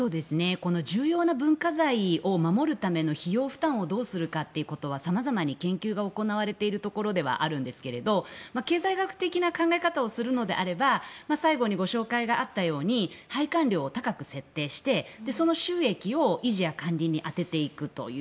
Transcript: この重要な文化財を守るための費用負担をどうするかということは様々に研究が行われているところではあるんですけど経済学的な考え方をするのであれば最後にご紹介があったように拝観料を高く設定してその収益を維持や管理に充てていくという